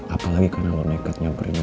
apalagi kalau lo nekat nyamperin gue